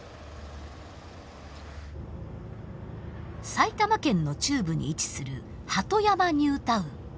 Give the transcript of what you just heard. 埼玉県の中部に位置する鳩山ニュータウン。